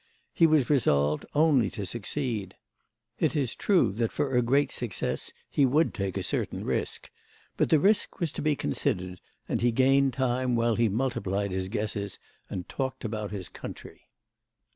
He was resolved only to succeed. It is true that for a great success he would take a certain risk; but the risk was to be considered, and he gained time while he multiplied his guesses and talked about his country.